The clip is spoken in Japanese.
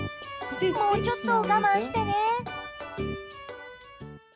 もうちょっと我慢してね。